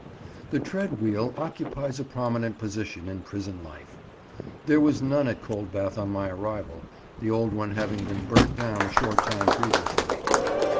The tread wheel occupies a prominent position in prison life. There was none at Coldbath on my arrival, the old one having been burnt down a short time previously.